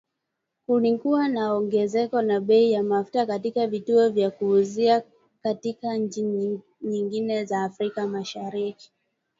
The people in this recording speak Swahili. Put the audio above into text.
Kulikuwa na ongezeko la bei ya mafuta katika vituo vya kuuzia katika nchi nyingine za Afrika Mashariki